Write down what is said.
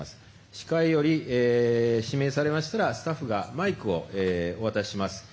司会より指名されましたらスタッフがマイクをお渡しいたします。